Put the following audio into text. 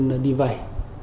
bên đi vay